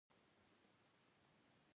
چې پرې وياړم هغه درې را باندي ګران دي